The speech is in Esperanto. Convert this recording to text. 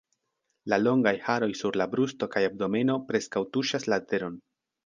La longaj haroj sur la brusto kaj abdomeno preskaŭ tuŝas la teron.